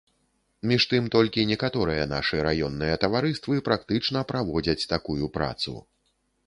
Між тым толькі некаторыя нашы раённыя таварыствы практычна праводзяць такую працу.